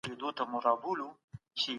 ګټې راټوليږي.